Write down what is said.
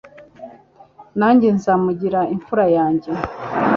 Nanjye nzamugira imfura yanjye